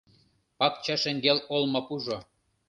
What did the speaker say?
Пакча шеҥгел олмапужо